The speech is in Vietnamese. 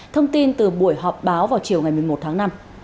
thông tin từ buổi họp báo vào chiều ngày một mươi một tháng năm